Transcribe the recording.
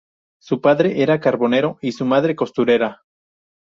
Su padre era carbonero y su madre costurera.